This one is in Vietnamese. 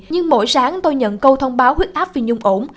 nhưng mỗi sáng tôi nhận câu thông báo huyết áp vì nhung ổn